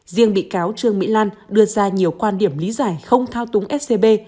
riêng bị cáo trương mỹ lan đưa ra nhiều quan điểm lý giải không thao túng scb